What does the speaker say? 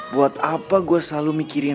buat apa gue selalu mikirin